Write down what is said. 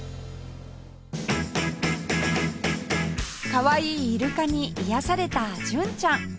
かわいいイルカに癒やされた純ちゃん